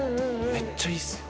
めっちゃいいですよ。